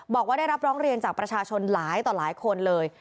บอกว่าได้รับร้องเรียนจากประชาชนหลายต่อหลายคนเลย